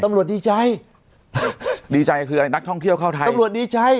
ดีใจดีใจคืออะไรนักท่องเที่ยวเข้าไทยตำรวจดีใจ